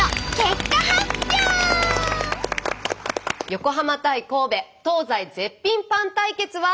横浜対神戸東西絶品パン対決は。